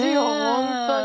本当に。